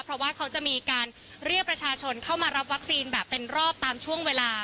เพราะว่าเขาจะมีการเรียกประชาชนเข้ามารับวัคซีนแบบเป็นรอบตามช่วงเวลา